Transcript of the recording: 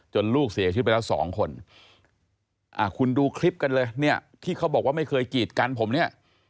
ลูกเสียชีวิตไปแล้วสองคนคุณดูคลิปกันเลยเนี่ยที่เขาบอกว่าไม่เคยกีดกันผมเนี่ย